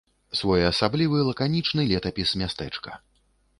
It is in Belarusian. Своеасаблівы лаканічны летапіс мястэчка.